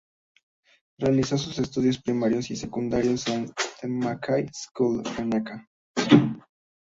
Realizó sus estudios primarios y secundarios en The Mackay School, Reñaca.